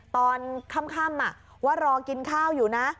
ตอนค่ำว่ารอกินข้าวอยู่นะ